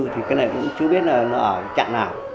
thì cái này cũng chứ biết là nó ở cái chặng nào